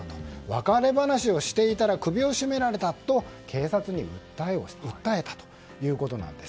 別れ話をしていたら首を絞められたと警察に訴えたということです。